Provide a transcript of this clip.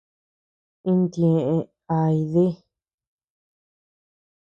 Intieʼë ay dí.